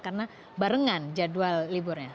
karena barengan jadwal liburnya